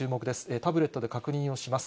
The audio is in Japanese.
タブレットで確認をします。